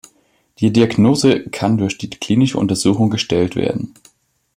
Die Diagnose kann durch die klinische Untersuchung gestellt werden.